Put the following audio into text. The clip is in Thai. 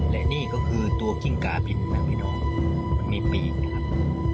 และนี่ก็คือตัวกิ้งกาผิดไหมพี่น้องมันมีปีกนะครับ